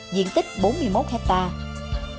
diện tích bốn mươi một hectare